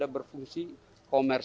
satelit republik indonesia atau satria satu